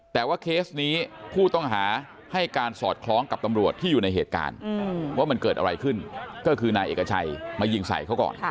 แต่ว่าเคสนี้ผู้ต้องหาให้การสอดคล้องกับตำรวจที่อยู่ในเหตุการณ์ว่ามันเกิดอะไรขึ้นก็คือนายเอกชัยมายิงใส่เขาก่อน